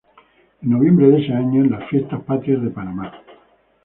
En noviembre de este año, en las fiestas patrias de Panamá.